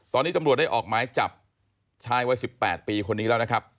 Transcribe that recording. ตอนนี้ตำรวจได้ออกหมายจับชายวัย๑๘ปีคนนี้แล้วนะครับ